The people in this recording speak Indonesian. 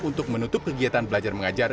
untuk menutup kegiatan belajar mengajar